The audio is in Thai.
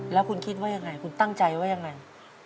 แล้วคุณคิดว่ายังไงคุณตั้งใจว่ายังไง